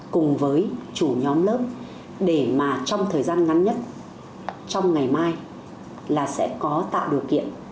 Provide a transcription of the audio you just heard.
cùng với chủ nhóm lớp để mà trong thời gian ngắn nhất trong ngày mai là sẽ có tạo điều kiện